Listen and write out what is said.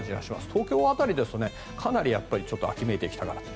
東京辺りですとかなり秋めいてきたかなと。